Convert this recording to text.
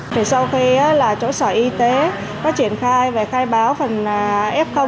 trong khi đó là chỗ sở y tế đã triển khai và khai báo phần f